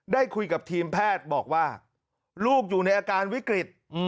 ได้คุยกับทีมแพทย์บอกว่าลูกอยู่ในอาการวิกฤต